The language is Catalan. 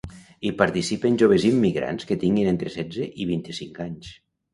Hi participen joves immigrants que tinguin entre setze i vint-i-cinc anys.